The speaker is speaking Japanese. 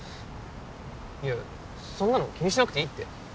いやそんなの気にしなくていいって。